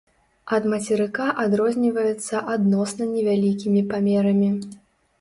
Ад мацерыка адрозніваецца адносна невялікімі памерамі.